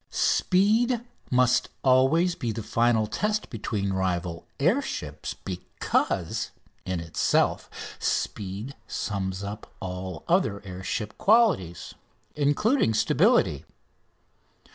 Speed must always be the final test between rival air ships, because, in itself, speed sums up all other air ship qualities, including "stability."